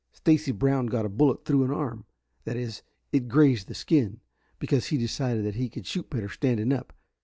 Stacy Brown got a bullet through an arm that is, it grazed the skin because he decided that he could shoot better standing up.